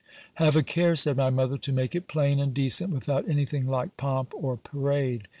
Have a care, said my mother, to make it plain and decent without anything like pomp or parade.